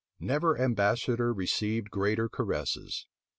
Never ambassador received greater caresses.